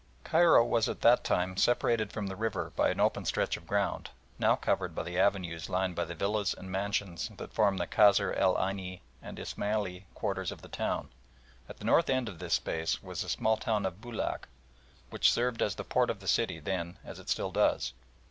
Cairo was at that time separated from the river by an open stretch of ground, now covered by the avenues lined by the villas and mansions that form the Kasr el Aini and Ismailia quarters of the town. At the north end of this space was the small town of Boulac, which served as the port of the city then as it still does.